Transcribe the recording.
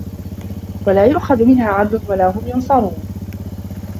وَلَا يُؤْخَذُ مِنْهَا عَدْلٌ وَلَا هُمْ يُنْصَرُونَ